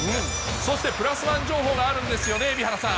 そしてプラスワン情報があるんですよね、蛯原さん。